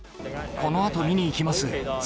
このあと見に行きます。